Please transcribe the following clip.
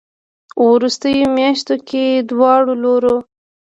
ه وروستيو مياشتو کې دواړو لورو